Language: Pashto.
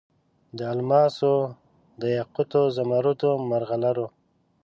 د الماسو، دیاقوتو، زمرودو، مرغلرو